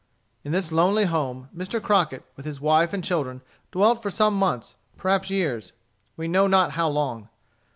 In this lonely home, Mr. Crockett, with his wife and children, dwelt for some months, perhaps years we know not how long.